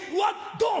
ドン！